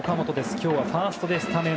今日はファーストでスタメン。